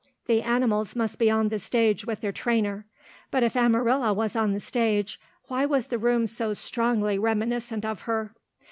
The animals must be on the stage with their trainer, but if Amarilla was on the stage, why was the room so strongly reminiscent of her?